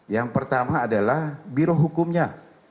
yang pertama adalah biro hukumnya